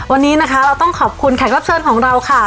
วันนี้นะคะเราต้องขอบคุณแขกรับเชิญของเราค่ะ